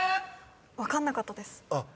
分かんなかったです。